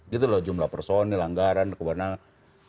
jadi loh jumlah personil anggaran kewenangan